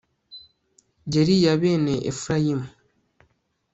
yari iya bene efurayimu